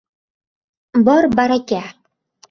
— Bor baraka!